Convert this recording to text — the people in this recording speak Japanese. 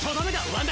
ワン！